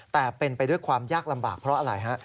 แต่เป็นไปด้วยความยากลำบากเพราะอะไรฮะ